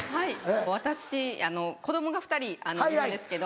私子供が２人いるんですけど。